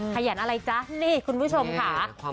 ขยันอะไรจ๊ะนี่คุณผู้ชมค่ะ